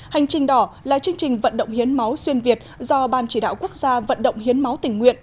hành trình đỏ là chương trình vận động hiến máu xuyên việt do ban chỉ đạo quốc gia vận động hiến máu tình nguyện